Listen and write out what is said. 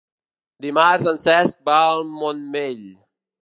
Dimarts en Cesc va al Montmell.